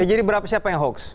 jadi siapa yang hoax